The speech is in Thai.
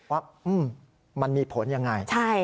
ว่ามันมีผลอย่างไร